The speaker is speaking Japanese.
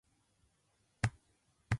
あなたのことが好き。